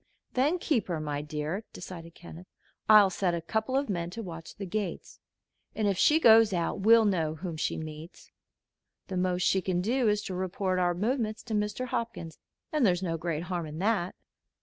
"Then keep her, my dear," decided Kenneth. "I'll set a couple of men to watch the gates, and if she goes out we'll know whom she meets. The most she can do is to report our movements to Mr. Hopkins, and there's no great harm in that."